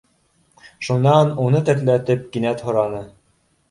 Шунан, уны тертләтеп, кинәт һораны: